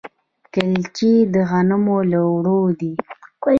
کلچې د غنمو له اوړو دي.